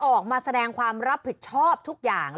ออกมาแสดงความรับผิดชอบทุกอย่าง